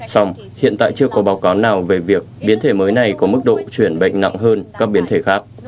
song hiện tại chưa có báo cáo nào về việc biến thể mới này có mức độ chuyển bệnh nặng hơn các biến thể khác